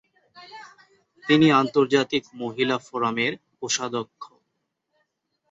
তিনি আন্তর্জাতিক মহিলা ফোরামের কোষাধ্যক্ষ।